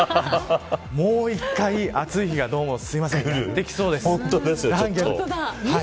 もう１回、暑い日がどうもできそうです。